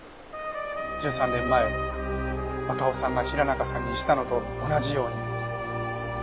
１３年前若尾さんが平中さんにしたのと同じように。